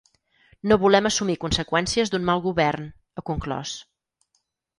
No volem assumir conseqüències d’un mal govern, ha conclòs.